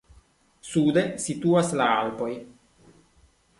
Sude situas la Alpoj.